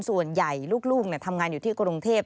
ส่วนใหญ่ลูกทำงานอยู่ที่กรุงเทพ